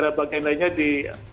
kemudian di indonesia